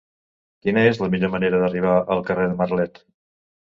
Quina és la millor manera d'arribar al carrer de Marlet?